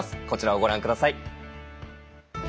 こちらをご覧ください。